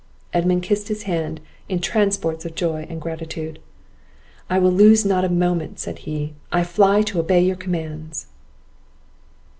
Edmund kissed his hand in transports of joy and gratitude. "I will not lose a moment," said he; "I fly to obey your commands."